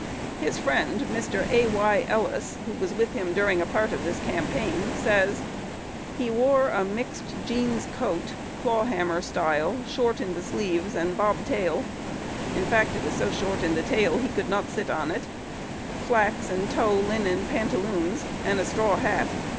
His friend, Mr. A. Y. Ellis, who was with him during a part of this campaign, says, "He wore a mixed jeans coat, claw hammer style, short in the sleeves, and bobtail, in fact, it was so short in the tail he could not sit on it, flax and tow linen pantaloons, and a straw hat.